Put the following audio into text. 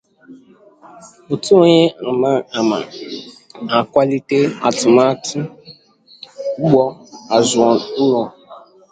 otu onye a mà àmá na-akwàlite atụmatụ Ugbo Azụ Ụnọ